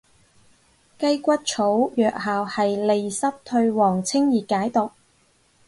雞骨草藥效係利濕退黃清熱解毒